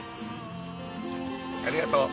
ありがとう。